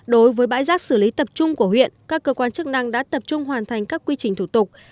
đối với bãi rác xử lý tập trung của huyện các cơ quan chức năng đã tập trung hoàn thành các quy trình thủ tục